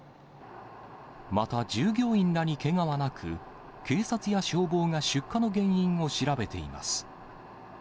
また従業員らにけがはなく、警察や消防が出火の原因を調べています。